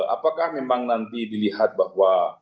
apakah memang nanti dilihat bahwa